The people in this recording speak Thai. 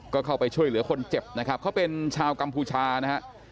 ก็เข้าไปช่วยเหลือคนเจ็บนะครับเขาเป็นชาวกัมพูชานะฮะ